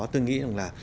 tôi nghĩ rằng là